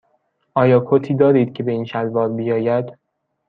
آیا کتی دارید که به این شلوار بیاید؟